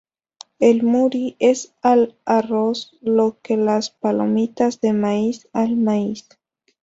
El "muri" es al arroz lo que las palomitas de maíz al maíz.